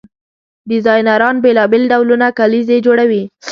ډیزاینران بیلابیل ډولونه کلیزې جوړوي.